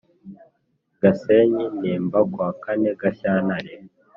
Gasenyi Nemba kuwa kane Gashyantare